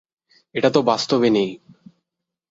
এটা তো বাস্তবে নেই।